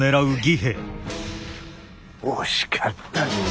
惜しかったねえ。